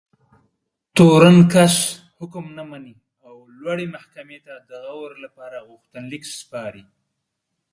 تورن کس حکم نه مني او لوړې محکمې ته د غور لپاره غوښتنلیک سپاري.